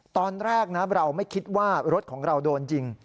ตอนแรกนะเราไม่คิดว่ารถของเราโดนยิง